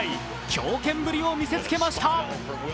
強肩ぶりを見せつけました。